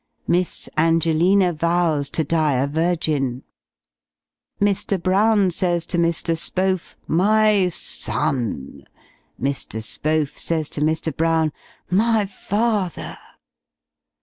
Miss Angelina vows to die a virgin. Mr. Brown says to Mr. Spohf, "my son!" Mr. Spohf says to Mr. Brown, "my father!"